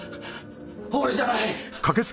俺じゃない！